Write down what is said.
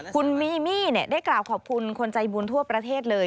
คุณมีมี่ได้กล่าวขอบคุณคนใจบุญทั่วประเทศเลย